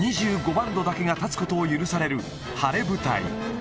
バンドだけが立つことを許される晴れ舞台。